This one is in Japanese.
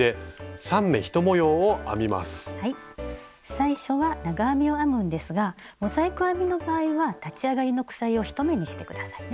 最初は長編みを編むんですがモザイク編みの場合は立ち上がりの鎖を１目にして下さいね。